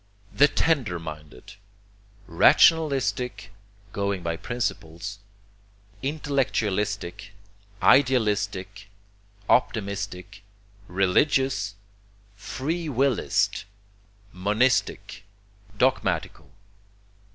THE TENDER MINDED Rationalistic (going by 'principles'), Intellectualistic, Idealistic, Optimistic, Religious, Free willist, Monistic, Dogmatical.